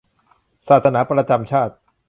ศาสนาประจำชาติ